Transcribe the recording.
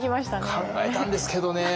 考えたんですけどね。